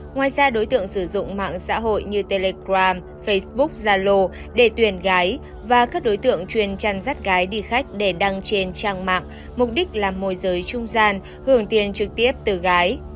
ngoài ra đối tượng sử dụng mạng xã hội như telegram facebook zalo để tuyển gái và các đối tượng chuyên chăn rắt gái đi khách để đăng trên trang mạng mục đích làm môi giới trung gian hưởng tiền trực tiếp từ gái